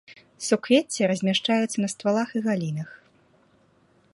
Суквецці размяшчаюцца на ствалах і галінах.